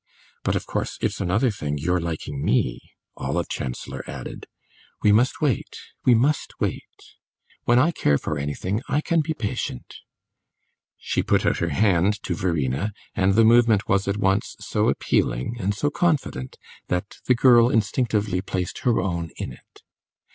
But of course it's another thing, your liking me," Olive Chancellor added. "We must wait we must wait. When I care for anything, I can be patient." She put out her hand to Verena, and the movement was at once so appealing and so confident that the girl instinctively placed her own in it.